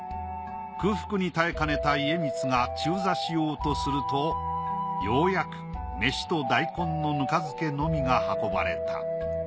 空腹に耐えかねた家光が中座しようとするとようやく飯と大根のぬか漬けのみが運ばれた。